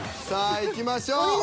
さあいきましょう。